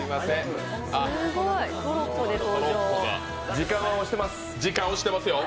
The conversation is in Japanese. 時間は押してます。